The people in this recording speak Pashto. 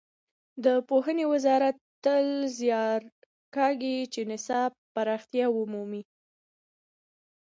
د پوهنې وزارت تل زیار کاږي چې نصاب پراختیا ومومي.